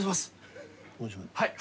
はい。